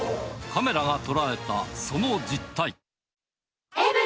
カメラが捉えたその実態。